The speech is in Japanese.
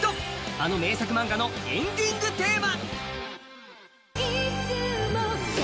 あの名作映画のエンディングテーマ。